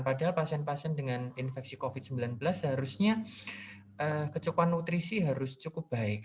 padahal pasien pasien dengan infeksi covid sembilan belas seharusnya kecukupan nutrisi harus cukup baik